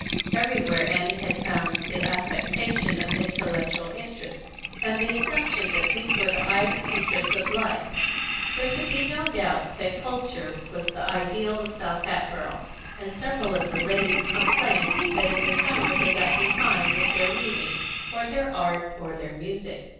Everywhere Annie had found the affectation of intellectual interests, and the assumption that these were the highest interests of life: there could be no doubt that culture was the ideal of South Hatboro', and several of the ladies complained that in the summer they got behind with their reading, or their art, or their music.